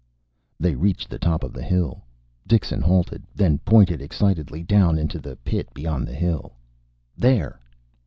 They reached the top of the hill. Dixon halted, then pointed excitedly down into the pit beyond the hill. "There!"